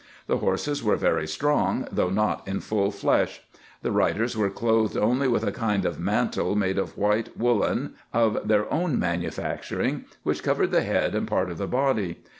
The horses were very strong, though not in full flesh. The riders were clothed only with a kind of mantle, made of white woollen, of their own manu facturing, which covered the head, and part of the body.